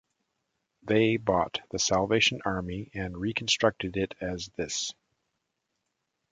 They bought the Salvation Army and reconstructed it as this.